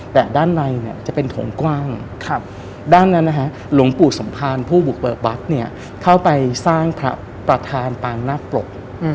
ทรงกว้างด้านนั้นหลวงปู่สมพารผู้บุปเปิกวัดเข้าไปสร้างพระประธานปางนาปลก